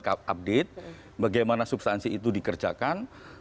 kita belum dapat update bagaimana substansi itu dikerjakan